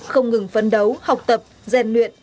không ngừng phấn đấu học tập gian luyện